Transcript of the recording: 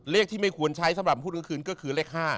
เลขที่ไม่ควรใช้สำหรับพูดกลางคืนก็คือเลข๕